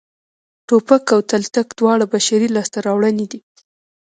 ټوپک او تلتک دواړه بشري لاسته راوړنې دي